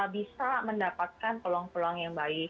bisa mendapatkan peluang peluang yang baik